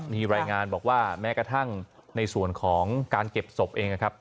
มีรายงานบอกว่าแม้กระทั่งในส่วนของการเก็บศพเองนะครับ